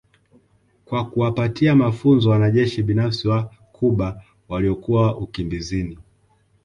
kwa kuwapatia mafunzo wanajeshi binafsi wa Cuba waliokuwa ukimbizini